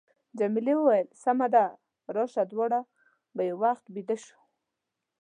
جميلې وويل:، سمه ده، راشه دواړه به یو وخت بېده شو.